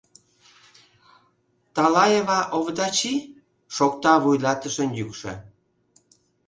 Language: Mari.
Талаева Овдачи, — шокта вуйлатышын йӱкшӧ.